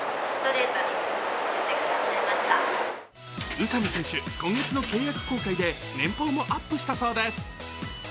宇佐見選手、今月の契約更改で年俸もアップしたそうです。